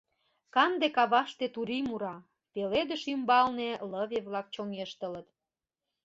Канде каваште турий мура, пеледыш ӱмбалне лыве-влак чоҥештылыт.